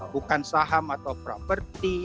bukan saham atau properti